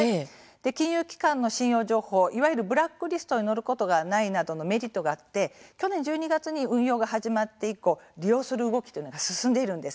金融機関の信用情報いわゆるブラックリストに載ることがないなどのメリットがあって去年１２月に運用が始まって以降、利用する動きが進んでいるんです。